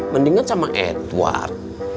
mendingan sama edward